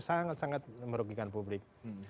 sangat sangat merugikan publik